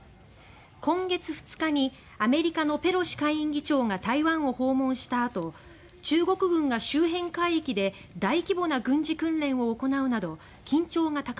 今月２日にアメリカのペロシ下院議長が台湾を訪問した後中国軍が周辺海域で大規模な軍事訓練を行うなど緊張が高まっています。